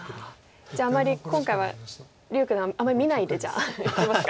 じゃああまり今回は柳九段あまり見ないでじゃあいきますか。